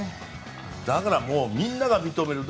だからみんなが認める。